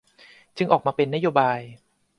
จึงออกมาเป็นนโยบาย